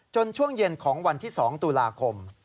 ช่วงเย็นของวันที่๒ตุลาคม